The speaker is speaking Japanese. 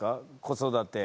子育て。